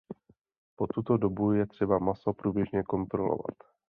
Po tuto dobu je třeba maso průběžně kontrolovat.